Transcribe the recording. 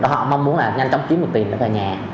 họ mong muốn là nhanh chóng kiếm được tiền để về nhà